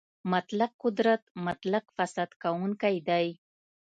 مطلق قدرت مطلق فاسد کوونکی دی.